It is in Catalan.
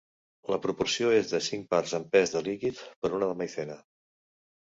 La proporció és de cinc parts en pes de líquid per una de maizena.